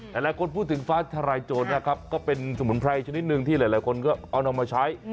หลายคนพูดถึงฟ้าทลายโจรนะครับก็เป็นสมุนไพรชนิดหนึ่งที่หลายคนก็เอานำมาใช้